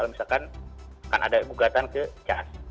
itu kan ada gugatan ke cas